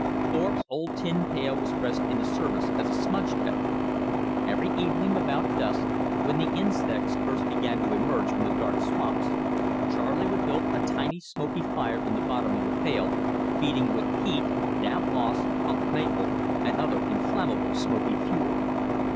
Thorpe's old tin pail was pressed into service as a smudge kettle. Every evening about dusk, when the insects first began to emerge from the dark swamps, Charley would build a tiny smoky fire in the bottom of the pail, feeding it with peat, damp moss, punk maple, and other inflammable smoky fuel.